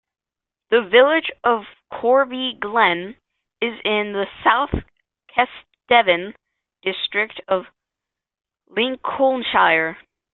The village of Corby Glen is in the South Kesteven district of Lincolnshire.